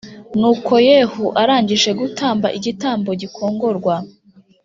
Nuko yehu arangije gutamba igitambo gikongorwa